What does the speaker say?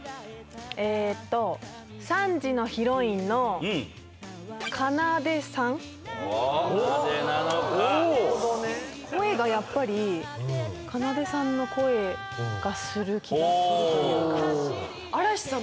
えと３時のヒロインのかなでさんおっ声がやっぱりかなでさんの声がする気がするというか嵐さん